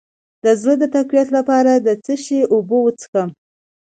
د زړه د تقویت لپاره د څه شي اوبه وڅښم؟